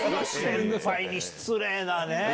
先輩に失礼なね！